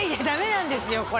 ダメなんですよ